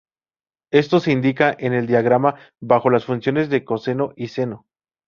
Esto se indica en el diagrama bajo las funciones de coseno y seno.